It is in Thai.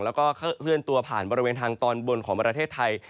แล้วก็เคลื่อนตัวผ่านบริเวณทางตอนบนของประเทศไทย